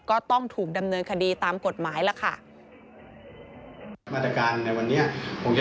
ก็ต้องถูกดำเนินคดีตามกฎหมายล่ะค่ะ